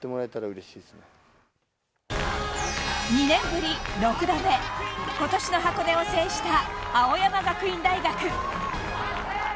２年ぶり６度目今年の箱根を制した青山学院大学。